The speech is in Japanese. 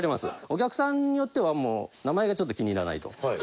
お客さんによってはもう名前がちょっと気に入らないと。